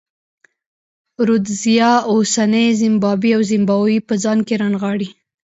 رودزیا اوسنۍ زیمبیا او زیمبابوې په ځان کې رانغاړي.